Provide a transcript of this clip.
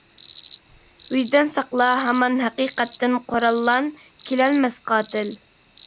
ۋىجدان ساقلا ھامان ھەقىقەتتىن قوراللان، كېلەلمەس قاتىل.